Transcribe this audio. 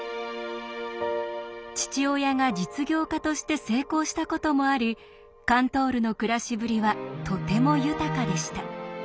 父親が実業家として成功したこともありカントールの暮らしぶりはとても豊かでした。